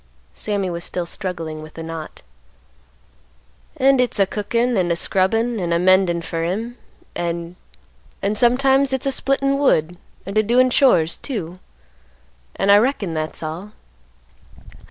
Sammy was still struggling with the knot. "An' hit's a cookin' an' a scrubbin' an' a mendin' fer him, an'—an'—sometimes hit's a splittin' wood, an' a doin' chores, too; an' I reckon that's all."